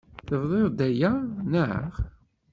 Tebdiḍ-d aya, naɣ?